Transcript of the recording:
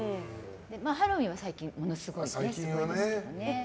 ハロウィーンは最近ものすごいですけどね。